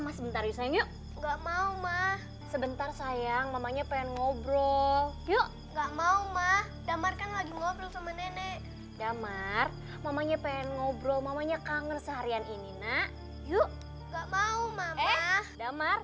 masi tensional sangat hill pepper